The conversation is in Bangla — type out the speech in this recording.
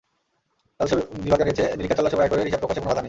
রাজস্ব বিভাগ জানিয়েছে, নিরীক্ষা চলার সময় আয়করের হিসাব প্রকাশে কোনো বাধা নেই।